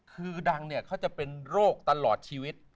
คือดังเนี่ยเขาจะเป็นโรคตลอดชีวิต